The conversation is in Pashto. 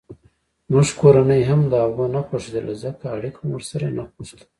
زموږ کورنۍ هم دهغو نه خوښېدله ځکه اړیکه مو ورسره نه غوښته.